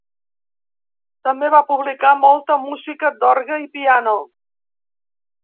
També va publicar molta música d'orgue i piano.